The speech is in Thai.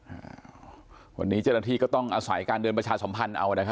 มีแมสแล้วเว้นระยะห่างจากคนที่ใกล้ด้วยอ่าวันนี้เจ้าหน้าที่ก็ต้องอาศัยการเดินประชาสมภัณฑ์เอานะครับ